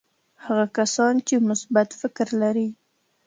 هغه کسان چې مثبت فکر لري.